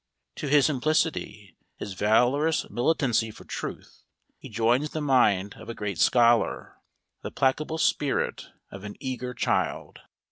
To his simplicity, his valorous militancy for truth, he joins the mind of a great scholar, the placable spirit of an eager child.